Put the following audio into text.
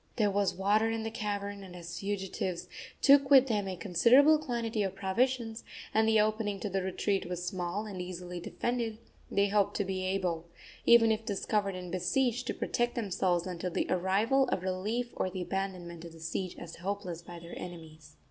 There was water in the cavern, and as the fugitives took with them a considerable quantity of provisions, and the opening to the retreat was small and easily defended, they hoped to be able, even if discovered and besieged, to protect themselves until the arrival of relief or the abandonment of the siege as hopeless by their enemies.